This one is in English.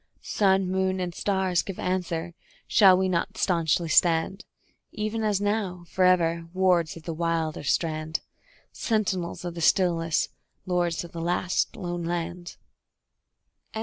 Sun, moon and stars give answer; shall we not staunchly stand, Even as now, forever, wards of the wilder strand, Sentinels of the stillness, lords of the last, lone land?